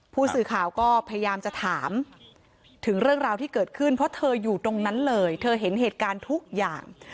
ผู้สื่อข่าวก็พยายามจะถามถึงเรื่องราวที่เกิดขึ้นเพราะเธออยู่ตรงนั้นเลยเธอเห็นเหตุการณ์ทุกอย่าง